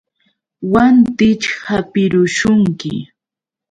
Wantićh hapirushunki.